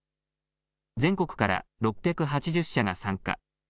全国から６８０社が参加。